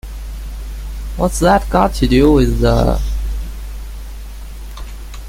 What's that got to do with the...?